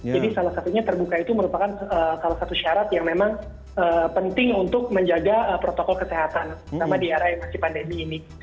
jadi salah satunya terbuka itu salah satu syarat yang penting untuk menjaga protokol kesehatan yang masih di era pandemi ini